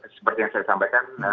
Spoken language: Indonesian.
seperti yang saya sampaikan